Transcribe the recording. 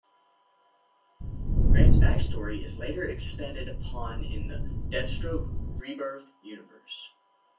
Grant's backstory is later expanded upon in the "Deathstroke: Rebirth" universe.